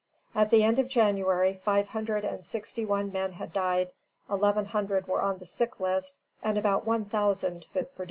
At the end of January five hundred and sixty one men had died, eleven hundred were on the sick list, and about one thousand fit for duty.